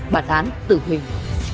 bản án tử hình